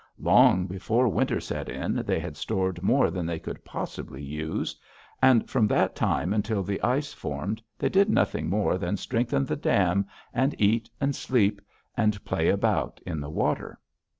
Long before winter set in they had stored more than they could possibly use, and from that time until the ice formed they did nothing more than strengthen the dam, and eat and sleep, and play about in the water.